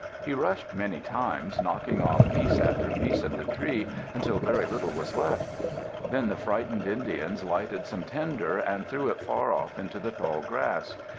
He rushed many times, knocking off piece after piece of the tree, until very little was left. Then the frightened Indians lighted some tinder, and threw it far off into the tall grass.